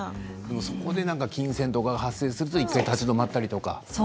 そこで金銭が発生すると一度立ち止まったりとか。